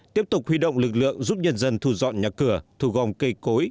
tiếp tục huy động lực lượng giúp nhân dân thu dọn nhà cửa thu gom cây cối